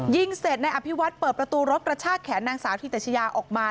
ยิงเสร็จนายอภิวัฒน์เปิดประตูรถกระชากแขนนางสาวธิตชยาออกมา